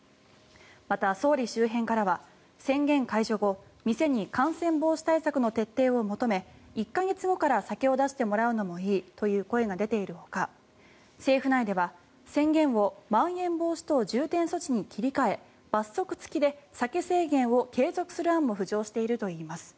また、総理周辺からは宣言解除後店に感染防止対策の徹底を求め１か月後から酒を出してもらうのもいいという声も出ているほか政府内では宣言をまん延防止等重点措置に切り替え罰則付きで酒制限を継続する案も浮上しているといいます。